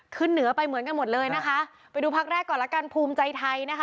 เหนือไปเหมือนกันหมดเลยนะคะไปดูพักแรกก่อนละกันภูมิใจไทยนะคะ